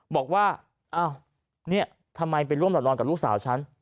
บอกว่าเรากลับทำลองกับลูกสาวชั้น